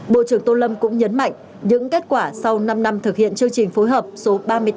bộ trưởng tô lâm cũng nhấn mạnh những kết quả sau năm năm thực hiện chương trình phối hợp số ba mươi tám